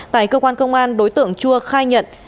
tại cơ quan công an đối tượng chua khai nhận